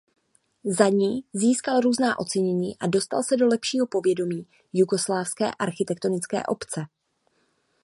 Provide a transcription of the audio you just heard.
Za ní získal různá ocenění a dostal se do lepšího povědomí jugoslávské architektonické obce.